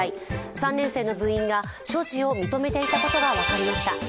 ３年生の部員が所持を認めていたことが分かりました。